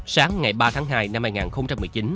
sáng ngày ba tháng hai năm hai nghìn một mươi chín